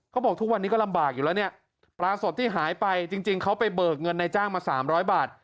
ทุกวันนี้ก็ลำบากอยู่แล้วเนี่ยปลาสดที่หายไปจริงเขาไปเบิกเงินในจ้างมา๓๐๐บาท